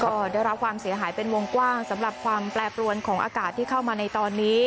ก็ได้รับความเสียหายเป็นวงกว้างสำหรับความแปรปรวนของอากาศที่เข้ามาในตอนนี้